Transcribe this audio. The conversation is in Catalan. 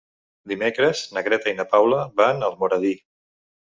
Dimecres na Greta i na Paula van a Almoradí.